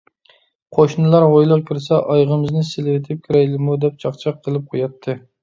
قوشنىلار ھويلىغا كىرسە: «ئايىغىمىزنى سېلىۋېتىپ كىرەيلىمۇ؟ » دەپ چاقچاق قىلىپ قوياتتى.